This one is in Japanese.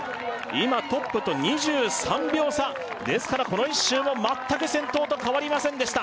今トップと２３秒差ですからこの１周も全く先頭と変わりませんでした